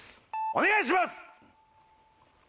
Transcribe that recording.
お願いします。